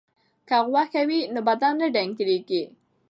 که غوښه وي نو بدن نه ډنګریږي.